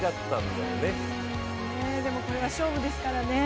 でも、これが勝負ですからね。